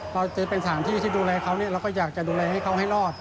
เราจะเป็นสถานที่ที่ดูแลเขาเนี่ยเราก็อยากจะดูแลให้เขาให้รอด